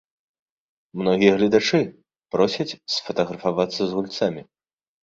Многія гледачы просяць сфатаграфавацца з гульцамі.